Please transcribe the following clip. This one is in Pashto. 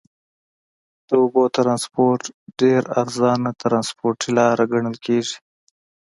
د اوبو ترانسپورت ډېر ارزانه ترنسپورټي لاره ګڼل کیږي.